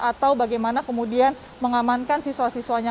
atau bagaimana kemudian mengamankan siswa siswanya